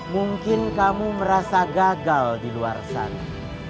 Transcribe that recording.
mungkin kamu merasa gagal di luar sana